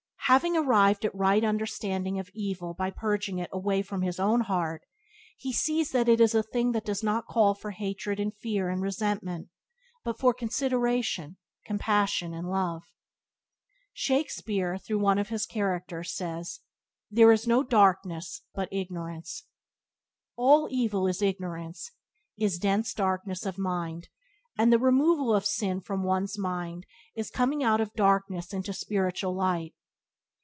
Having arrived at right understanding of evil by purging it away from his own heart he sees that it is a thing that does not call for hatred and fear and resentment but for consideration, compassion, and love. Shakespeare through one of his characters says: "There is no darkness but ignorance." All evil is ignorance, is dense darkness of mind, and the removal of sin from one's mind is a coming out of darkness into spiritual light.